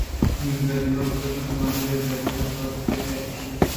کنڈگ ءَ آدیم کُتگ دلءُوانگے داتگ ءُتو اتکگ ءِ چپل ءُ کوشانی گپءَ کنئے